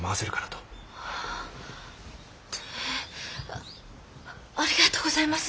てっありがとうございます。